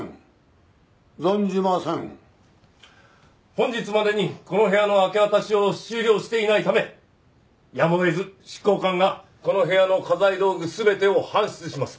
本日までにこの部屋の明け渡しを終了していないためやむを得ず執行官がこの部屋の家財道具全てを搬出します。